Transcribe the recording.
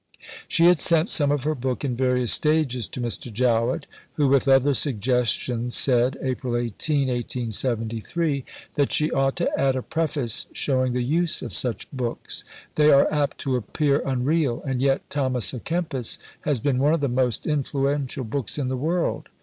She had sent some of her book in various stages to Mr. Jowett, who, with other suggestions, said (April 18, 1873) that she ought to add "a Preface showing the use of such books. They are apt to appear unreal, and yet Thomas à Kempis has been one of the most influential books in the world.